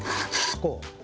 こう。